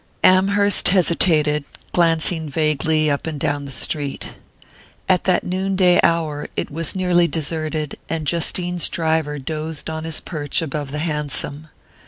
Amherst hesitated, glancing vaguely up and down the street. At that noonday hour it was nearly deserted, and Justine's driver dozed on his perch above the hansom.